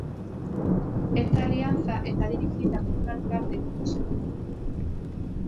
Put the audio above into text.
Esta alianza está dirigida por un alcalde con visión de futuro.